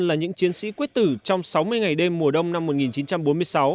là những chiến sĩ quyết tử trong sáu mươi ngày đêm mùa đông năm một nghìn chín trăm bốn mươi sáu